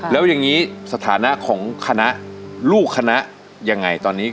แล้วอย่างนี้สถานะของคณะลูกคณะยังไงตอนนี้